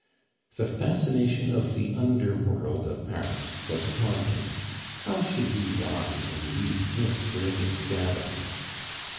The fascination of the under world of Paris was upon him; how should he rise and leave this brilliant gathering?